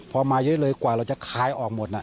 พอมาเยอะเลยกว่าเราจะขายออกหมด